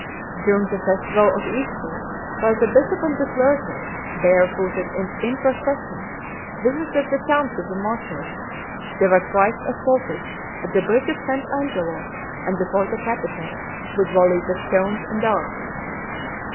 During the festival of Easter, while the bishop and the clergy, barefooted and in procession, visited the tombs of the martyrs, they were twice assaulted, at the bridge of St. Angelo, and before the Capitol, with volleys of stones and darts.